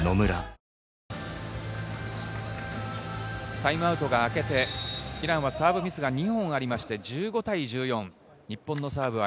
タイムアウトがあけて、イランはサーブミスが２本ありまして１５対１４。